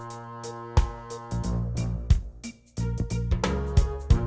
apa mau pulang aja